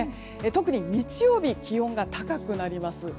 特に日曜日気温が高くなります。